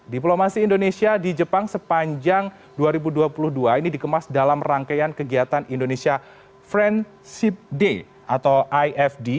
diplomasi indonesia di jepang sepanjang dua ribu dua puluh dua ini dikemas dalam rangkaian kegiatan indonesia friendship day atau ifd